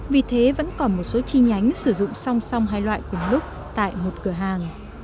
vì thế vẫn còn một số chi nhánh sử dụng song song hai loại cùng lúc tại một cửa hàng